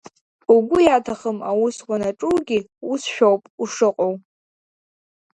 Угәы иаҭахым аус уанаҿугьы усшәоуп ушыҟоу…